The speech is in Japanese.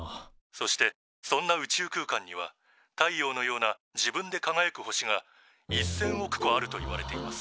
「そしてそんな宇宙空間には太陽のような自分でかがやく星が１，０００億個あるといわれています」。